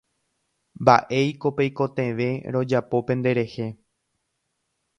Mba'éiko peikotevẽ rojapo penderehe.